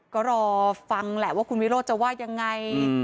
ก็รอฟังแหละว่าคุณวิโรธจะว่ายังไง